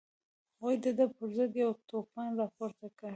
هغوی د ده په ضد یو توپان راپورته کړ.